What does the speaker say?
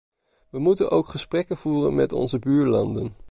We moeten ook gesprekken voeren met onze buurlanden.